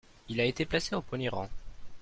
Il a été placé au premier rang.